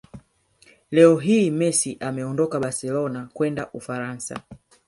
Leo hii Messi ameondoka barcelona kwenda Ufaransa